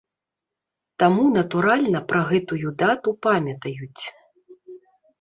Таму натуральна пра гэтую дату памятаюць.